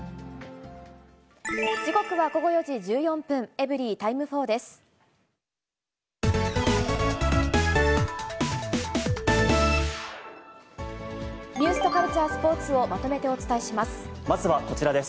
時刻は午後４時１４分、エブリィタイム４です。